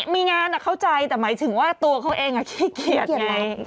มีงานเข้าใจแต่หมายถึงว่าตัวเขาเองขี้เกียจไหม